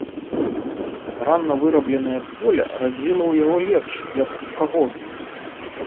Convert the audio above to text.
Старанна вырабленае поле радзіла ў яго лепш, як у каго тут.